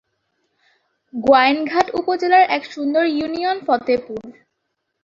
গোয়াইনঘাট উপজেলার এক সুন্দর ইউনিয়ন ফতেপুর।